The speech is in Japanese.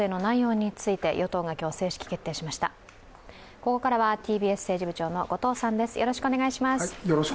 ここからはＴＢＳ政治部長の後藤さんです。